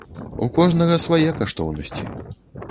У кожнага свае каштоўнасці.